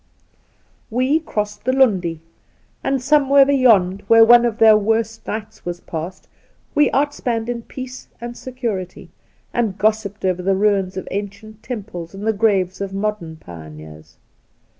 We crossed the Lundi, and somewhere beyond where one of their worst nights was passed we outspanned in peace and security, and gossiped over the ruins of ancient temples 'and the graves of modern pioneers.